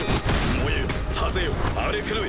燃えよ爆ぜよ荒れ狂え。